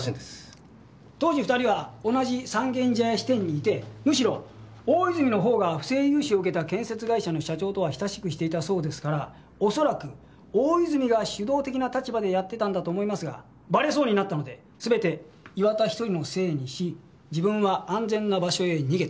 当時２人は同じ三軒茶屋支店にいてむしろ大泉のほうが不正融資を受けた建設会社の社長とは親しくしていたそうですから恐らく大泉が主導的な立場でやってたんだと思いますがバレそうになったので全て岩田１人のせいにし自分は安全な場所へ逃げた。